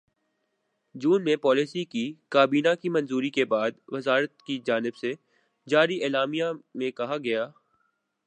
جون میں پالیسی کی کابینہ کی منظوری کے بعد وزارت کی جانب سے جاری اعلامیے میں کہا گیا تھا